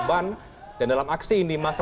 ban dan dalam aksi ini masa